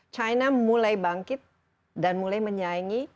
china mulai bangkit dan mulai menyaingi